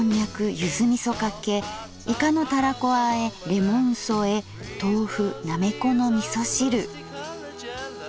ゆずみそかけいかのたらこ和へレモンそえ豆腐なめこの味噌汁」。